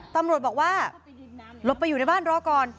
ตำรวจบอกว่าหลบไปอยู่ในบ้านรอก่อน